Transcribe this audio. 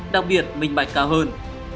đặc biệt minh bạch cao hơn